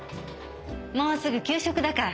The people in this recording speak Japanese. もうすぐ給食だから。